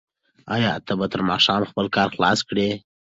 آیا ته به تر ماښامه خپل کار خلاص کړې؟